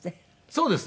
そうです。